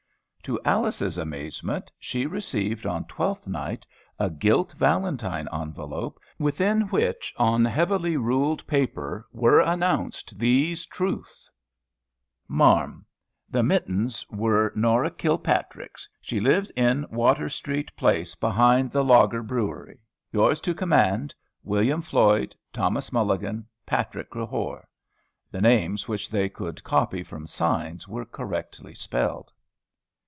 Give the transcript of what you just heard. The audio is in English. To Alice's amazement, she received on Twelfth Night a gilt valentine envelope, within which, on heavily ruled paper, were announced these truths: MARM, The mitins wur Nora Killpatrick's. She lives inn Water street place behind the Lager Brewery. Yours to command, WILLIAM FLOYD. THOMAS MULLIGAN. PATRICK CREHORE. The names which they could copy from signs were correctly spelled.